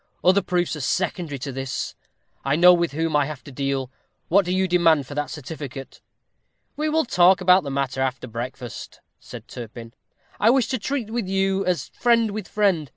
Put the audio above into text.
Other proofs are secondary to this. I know with whom I have to deal. What do you demand for that certificate?" "We will talk about the matter after breakfast," said Turpin. "I wish to treat with you as friend with friend.